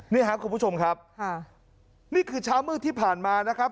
นี่ครับคุณผู้ชมครับค่ะนี่คือเช้ามืดที่ผ่านมานะครับ